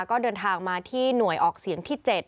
ก็เดินทางมาที่หน่วยออกเสียงที่๗